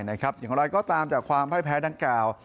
อย่างไรก็ตามจากความพ่ายแพ้ดังกล่าว